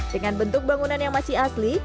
dengan bentuk bangunan yang masih asli